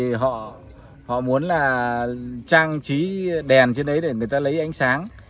cái nền thì họ muốn là trang trí đèn trên đấy để người ta lấy ánh sáng